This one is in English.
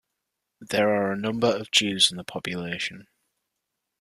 There are a number of Jews in the population.